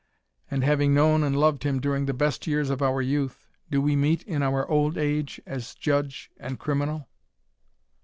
And having known and loved him during the best years of our youth, do we meet in our old age as judge and criminal?"